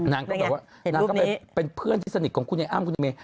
นางก็แบบว่านางก็ไปเป็นเพื่อนที่สนิทของคุณไอ้อ้ำคุณไอเม